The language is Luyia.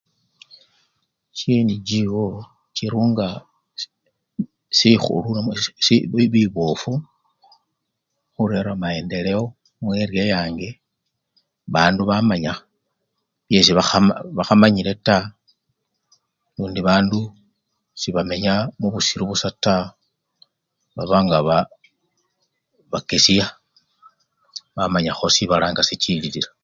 Chi NGO chirunga sisi sihulu namwe si bi bibofu khurera maendelewo mu eriya yange bandu bamanya byesi bakha bakhamanyile taa lundi bandu sebamenya mubusilu busa taa baba ngaba bakesiya bamanyakho sibala nga sichililila.